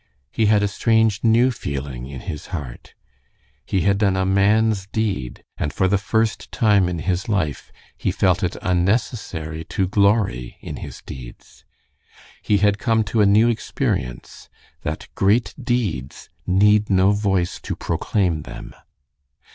He had a strange new feeling in his heart. He had done a man's deed, and for the first time in his life he felt it unnecessary to glory in his deeds. He had come to a new experience, that great deeds need no voice to proclaim them.